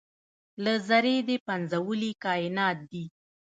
له ذرې دې پنځولي کاینات دي